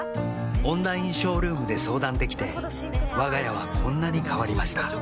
オンラインショールームで相談できてわが家はこんなに変わりました